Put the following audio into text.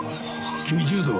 君柔道は？